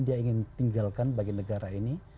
dia ingin tinggalkan bagi negara ini